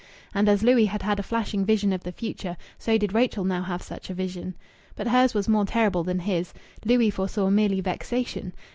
And as Louis had had a flashing vision of the future, so did Rachel now have such a vision. But hers was more terrible than his. Louis foresaw merely vexation.